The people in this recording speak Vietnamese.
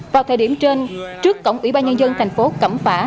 vào thời điểm trên trước cổng ủy ban nhân dân thành phố cẩm phả